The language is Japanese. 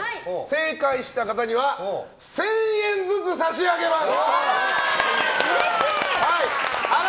正解した方には１０００円ずつ差し上げます。